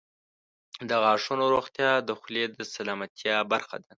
• د غاښونو روغتیا د خولې د سلامتیا برخه ده.